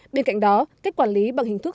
bên cạnh đó cách quản lý bằng hình thức